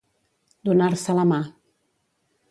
Donar-se la mà.